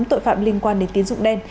tội phạm liên quan đến tiến dụng đen